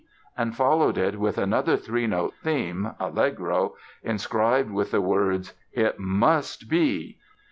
and followed it with another three note theme (Allegro) inscribed with the words "It must be!"